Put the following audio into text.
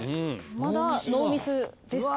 まだノーミスです。